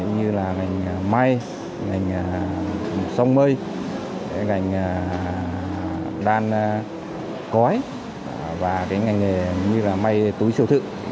như là ngành may ngành sông mây ngành đan cói và ngành nghề như là may túi siêu thự